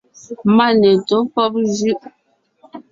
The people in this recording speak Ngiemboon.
Mane tó pɔ́b jʉ́ʼ.